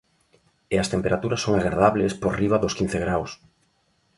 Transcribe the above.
E as temperaturas son agradables, por riba dos quince graos.